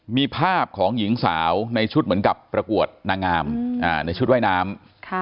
มีภาพของหญิงสาวในชุดเหมือนกับประกวดนางงามในชุดว่ายน้ำ